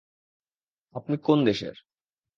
আপনি কোন দেশের?